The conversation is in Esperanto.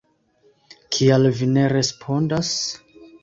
Kial vi ne respondas?